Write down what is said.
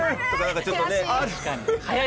ちょっとね。